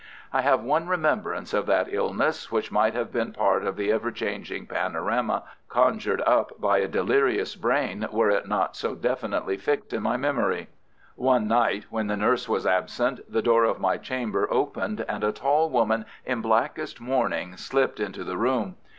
I have one remembrance of that illness, which might have been part of the ever changing panorama conjured up by a delirious brain were it not so definitely fixed in my memory. One night, when the nurse was absent, the door of my chamber opened, and a tall woman in blackest mourning slipped into the room.